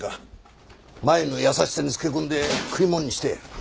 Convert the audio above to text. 麻友の優しさにつけ込んで食いもんにして。